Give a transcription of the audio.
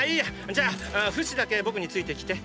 じゃあフシだけ僕について来て。